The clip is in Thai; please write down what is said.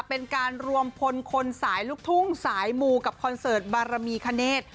เป็นการรวมพลคนสายลูกทุ่งสายมูกับคอนเสิร์ตบารมีคเนธ